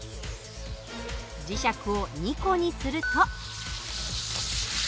磁石を２個にすると。